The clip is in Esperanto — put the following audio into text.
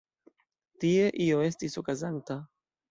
Tie io estis okazanta.